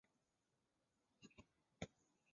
恒基兆业地产主席李兆基同时是公司主席。